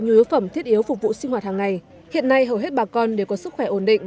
nhu yếu phẩm thiết yếu phục vụ sinh hoạt hàng ngày hiện nay hầu hết bà con đều có sức khỏe ổn định